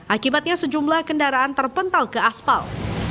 akibatnya sejumlah kendaraan terpental ke aspal